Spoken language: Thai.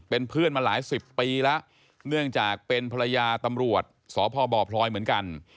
เป็นเพื่อนมาหลายสิบปีแล้วเนื่องจากเป็นภรรยาตำรวจสพบพลอยเหมือนกัน